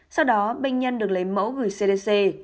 sau đó bệnh nhân được lấy mẫu gửi cdc